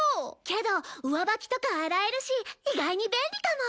けど上履きとか洗えるし意外に便利かも。